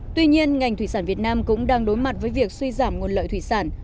tuy nhiên ngành thủy sản việt nam cũng đang đối mặt với việc suy giảm nguồn lợi thủy sản